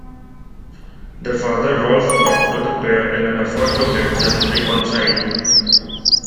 Their father, Rolf talked to the pair in an effort to get them reconciled.